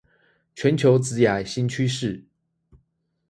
全球職涯新趨勢